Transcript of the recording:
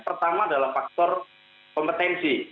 pertama adalah faktor kompetensi